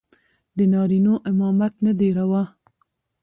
د نارينو امامت نه دى روا.